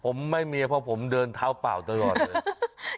ผมไม่มีเพราะผมเดินเท้าเปล่าตลอดเลย